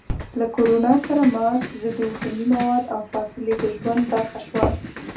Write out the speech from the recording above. له کرونا سره ماسک، ضد عفوني مواد، او فاصلې د ژوند برخه شوه.